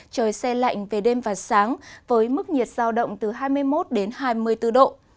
trời xe lạnh về đêm và sáng với mức nhiệt giao động từ hai mươi một đến hai mươi bốn độ